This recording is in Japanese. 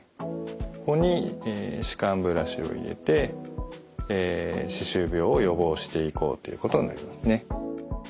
ここに歯間ブラシを入れて歯周病を予防していこうということになりますね。